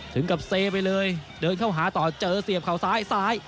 ถึงกับเซไปเลยเดินเข้าหาต่อเจอเสียบเขาซ้ายซ้าย